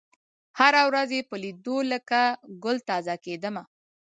هره ورځ یې په لېدلو لکه ګل تازه کېدمه